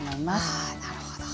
ああなるほど。